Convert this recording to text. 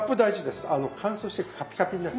乾燥してカピカピになっちゃう。